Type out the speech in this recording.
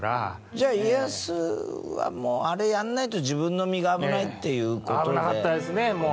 じゃあ家康はもうあれやらないと自分の身が危ないっていう事で？